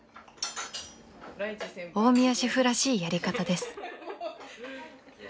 ［大宮シェフらしいやり方です］